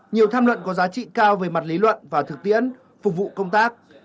nhiều tham luận có giá trị cao về mặt lý luận và thực tiễn phục vụ công tác